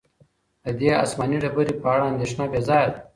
د دې آسماني ډبرې په اړه اندېښنه بې ځایه ده.